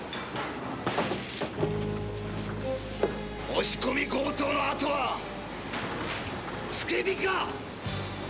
押し込み強盗のあとは付け火か！？